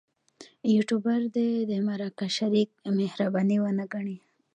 یوټوبر دې د مرکه شریک مهرباني ونه ګڼي.